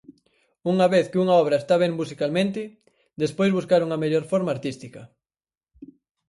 Unha vez que unha obra está ben musicalmente, despois buscar unha mellor forma artística.